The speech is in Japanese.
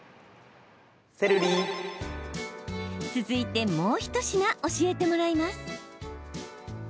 続いて、もう一品教えてもらいます。